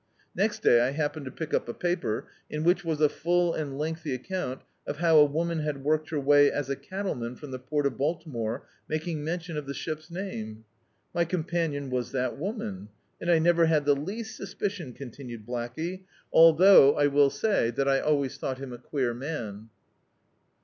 Next day I happened to pick up a paper, in which was a full and lengthy account of how a woman had worked her way as a cattleman from the port of Baltimore, malung mention of the ship's name. My companion was that woman, and I never had the least suspicion," continued Blackey, "althou^, Diyiizcdtv Google The Autobiography of a Super Tramp I will say, that I always thou^t him a queer man."